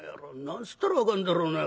何つったら分かるんだろうな。